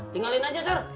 tinggalin aja sur